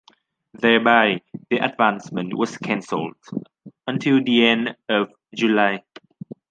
Thereby, the advancement was canceled until the end of July.